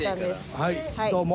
はいどうも。